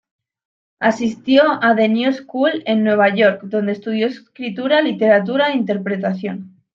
Asistió a The New School, en Nueva York, donde estudió escritura, literatura e interpretación.